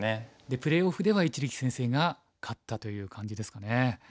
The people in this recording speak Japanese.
でプレーオフでは一力先生が勝ったという感じですかね。